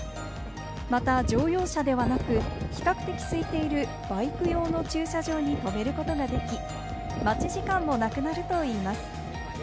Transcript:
また乗用車ではなく、比較的空いているバイク用の駐車場に止めることもでき、待ち時間もなくなるといいます。